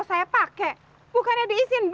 buat semoga katrina